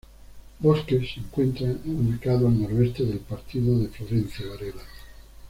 Bosques se encuentra en ubicado al noreste del Partido de Florencio Varela.